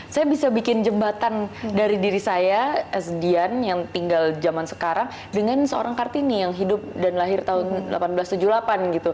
saya bisa bikin jembatan dari diri saya as dian yang tinggal zaman sekarang dengan seorang kartini yang hidup dan lahir tahun seribu delapan ratus tujuh puluh delapan gitu